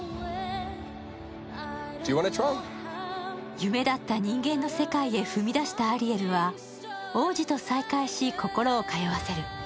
夢だった人間の世界へ踏み出したアリエルは、王子と再会し、心を通わせる。